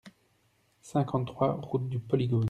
cinquante-trois route du Polygone